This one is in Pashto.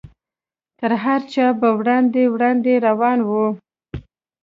تر هر چا به وړاندې وړاندې روان و.